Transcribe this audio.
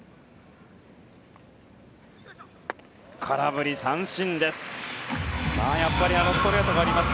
空振り三振です！